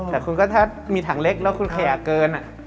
แต่คุณก็ถ้ามีถังเล็กแล้วคุณแคร์เกิน